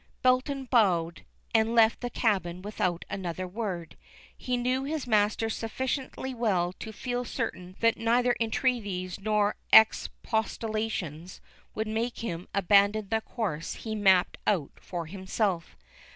Belton bowed, and left the cabin without another word. He knew his master sufficiently well to feel certain that neither entreaties nor expostulations would make him abandon the course he had mapped out for himself.